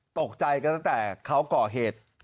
ตกใจกันตั้งแต่เขาก่อเหตุ